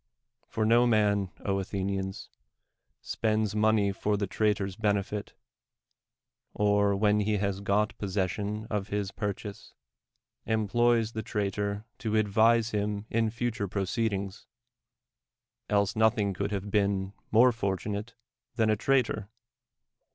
For no man, Athenians, spends money for the trait(n'"s benefit, or, when he has got possession of liis purchase, emplo}'s the traitor to advise him in future proceedings; else nothing could have been more fortunate than a traitor.